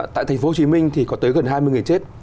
tại thành phố hồ chí minh thì có tới gần hai mươi người chết